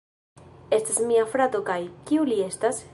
Estas mia frato kaj... kiu li estas?